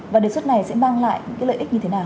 và đề xuất này sẽ mang lại những lợi ích như thế nào